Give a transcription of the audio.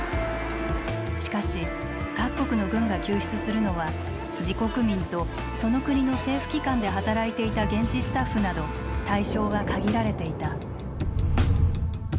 しかし各国の軍が救出するのは自国民とその国の政府機関で働いていた現地スタッフなど対象は限られていた。